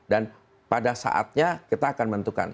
dan pada saatnya kita akan menentukan